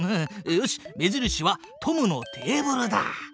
よし目印はトムのテーブルだ！